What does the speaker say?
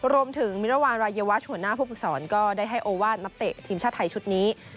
รวมถึงมิรวรรณรายเยวาส์หัวหน้าผู้ปรึกษรก็ได้ให้โอวาสนับเตะทีมชาติไทยชุดนี้